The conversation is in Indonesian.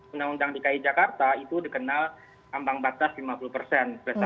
undang undang dki jakarta itu dikenal ambang batas lima puluh persen